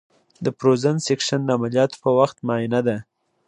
د فروزن سیکشن عملیاتو په وخت معاینه ده.